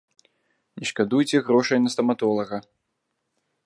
Не шкадуйце грошай на стаматолага!